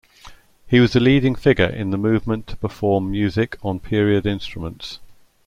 He was a leading figure in the movement to perform music on period instruments.